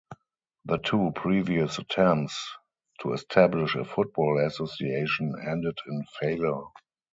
The two previous attempts to establish a Football Association ended in failure.